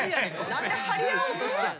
何で張り合おうとしてる。